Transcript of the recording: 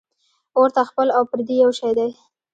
ـ اور ته خپل او پردي یو شی دی .